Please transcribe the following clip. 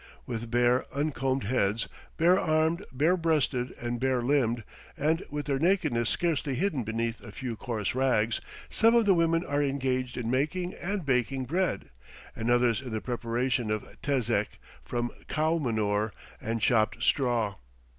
With bare, uncombed heads, bare armed, bare breasted, and bare limbed, and with their nakedness scarcely hidden beneath a few coarse rags, some of the women are engaged in making and baking bread, and others in the preparation of tezek from cow manure and chopped straw.